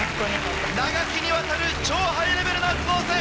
長きにわたる超ハイレベルな頭脳戦！